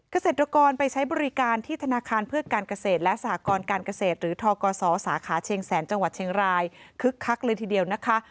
เกษตรกรไปใช้บริการที่ธนาคารเพื่อการเกษตรและสหกรการเกษตรหรือทกศสาขาเชียงแสนจังหวัดเชียงรายคึกคักเลยทีเดียวนะคะ